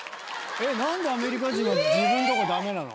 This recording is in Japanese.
何でアメリカ人は自分のとこダメなの？